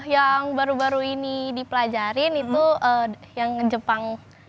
yang baru baru ini dipelajarin itu yang jepang